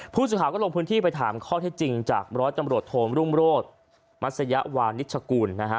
ผู้สื่อข่าวก็ลงพื้นที่ไปถามข้อเท็จจริงจากร้อยตำรวจโทมรุ่งโรธมัศยวานิชกูลนะฮะ